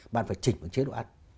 bạn phải chỉnh một chế độ ăn